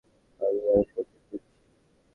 আমি এয়ারপোর্টে ঢুকছি।